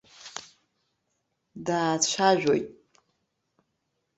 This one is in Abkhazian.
Даацәажаоит.